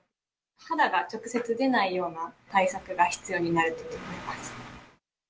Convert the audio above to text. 肌が直接出ないような対策が必要になると思います。